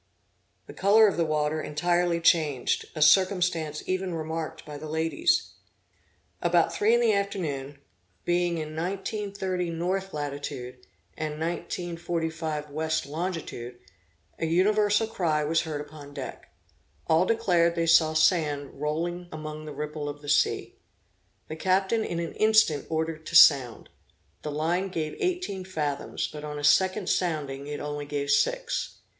The color of the water entirely changed, a circumstance even remarked by the ladies. About three in the afternoon, being in 19 30 north latitude, and 19 45 west longitude, an universal cry was heard upon deck. All declared they saw sand rolling among the ripple of the sea. The captain in an instant ordered to sound. The line gave eighteen fathoms; but on a second sounding it only gave six.